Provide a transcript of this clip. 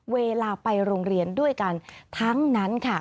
เวลาไปโรงเรียนด้วยกันทั้งนั้นค่ะ